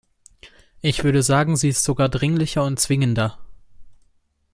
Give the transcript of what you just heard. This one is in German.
Ich würde sagen, sie ist sogar dringlicher und zwingender.